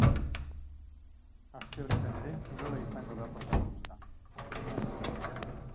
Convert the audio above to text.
Aste honetan ere, kirola izango da protagonista.